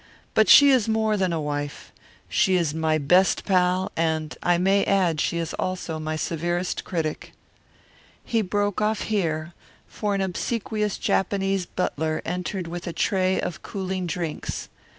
"But she is more than a wife she is my best pal, and, I may add, she is also my severest critic." He broke off here, for an obsequious Japanese butler entered with a tray of cooling drinks.